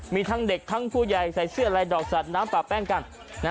มีทั้งเด็กทั้งผู้ใหญ่ใส่เสื้อลายดอกสัดน้ำป่าแป้งกัน